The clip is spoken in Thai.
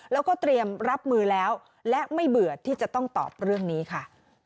แล้วก็เตรียมรับมือแล้วและไม่เบื่อที่จะต้องตอบเรื่องนี้ค่ะ